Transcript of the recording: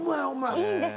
いいんです。